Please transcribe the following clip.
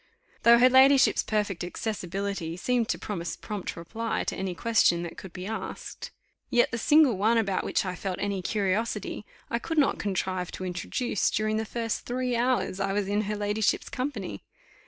Though her ladyship's perfect accessibility seemed to promise prompt reply to any question that could be asked; yet the single one about which I felt any curiosity, I could not contrive to introduce during the first three hours I was in her ladyship's company.